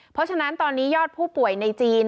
เพราะฉะนั้นตอนนี้ยอดผู้ป่วยในจีน